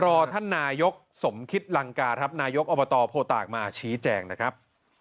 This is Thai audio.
รอท่านนายกสมคิตลังกาครับนายกอบตโพตากมาชี้แจงนะครับ